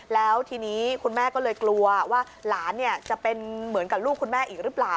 แล้วทีนี้คุณแม่ก็เลยกลัวว่าหลานจะเป็นเหมือนกับลูกคุณแม่อีกหรือเปล่า